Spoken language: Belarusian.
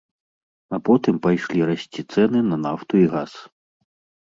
А потым пайшлі расці цэны на нафту і газ.